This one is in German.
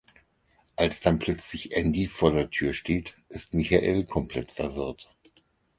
Als dann plötzlich Andy vor der Tür steht ist Michael komplett verwirrt.